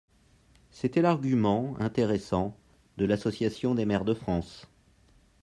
C’était l’argument, intéressant, de l’Association des maires de France.